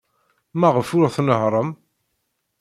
Maɣef ur tnehhṛem?